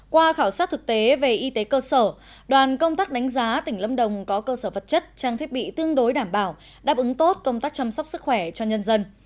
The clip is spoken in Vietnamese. qua khảo sát thực tế về y tế cơ sở đoàn công tác đánh giá tỉnh lâm đồng có cơ sở vật chất trang thiết bị tương đối đảm bảo đáp ứng tốt công tác chăm sóc sức khỏe cho nhân dân